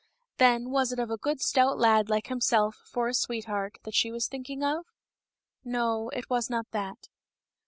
Then, was it of a good stout lad like himself for a sweetheart, that she was thinking of ? No, it was not that.